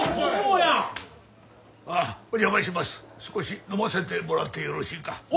少し飲ませてもらってよろしいか？